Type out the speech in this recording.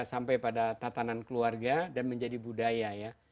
sampai pada tatanan keluarga dan menjadi budaya ya